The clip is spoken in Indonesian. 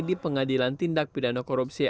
di pengadilan tindak pidana korupsi